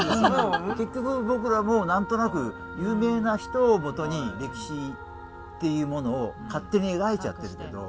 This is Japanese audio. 結局僕らも何となく有名な人をもとに歴史っていうものを勝手に描いちゃってるけど。